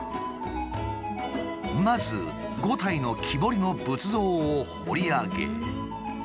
まず５体の木彫りの仏像を彫り上げ。